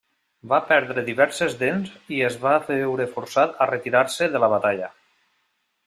Va perdre diverses dents i es va veure forçat a retirar-se de la batalla.